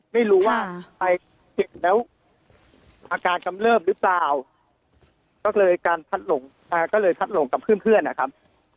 ไม่รู้ว่าใครเจ็บแล้วอาการกำเริ่มหรือเปล่าก็เลยการพัดหลงกับเพื่อนนะครับ